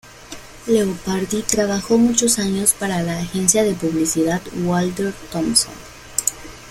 Leopardi trabajó muchos años para la agencia de publicidad Walter Thompson.